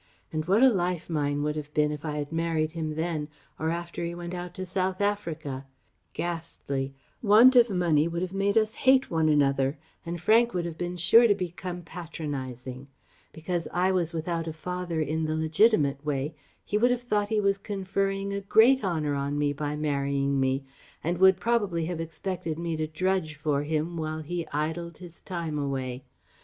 And what a life mine would have been if I had married him then; or after he went out to South Africa! Ghastly! Want of money would have made us hate one another and Frank would have been sure to become patronizing. Because I was without a father in the legitimate way he would have thought he was conferring a great honour on me by marrying me, and would probably have expected me to drudge for him while he idled his time away....